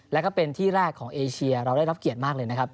แล้วก็เป็นที่แรกของเอเชียเราได้รับเกียรติมากเลยนะครับ